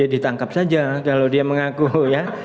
ditangkap saja kalau dia mengaku ya